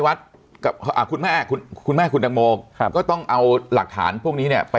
วัดกับอ่าคุณแม่คุณแม่คุณตังโมครับก็ต้องเอาหลักฐานพวกนี้เนี่ยไป